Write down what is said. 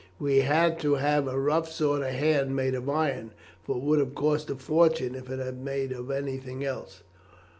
We had to have a rough sort of hand made of iron, for it would have cost a fortune if had been made of anything else.